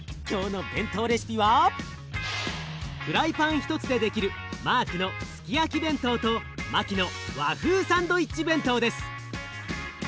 今日の弁当レシピはフライパン１つでできるマークのスキヤキ弁当とマキの和風サンドイッチ弁当です。